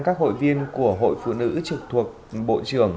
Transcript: các hội viên của hội phụ nữ trực thuộc bộ trưởng